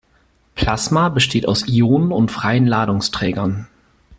Plasma besteht aus Ionen und freien Ladungsträgern.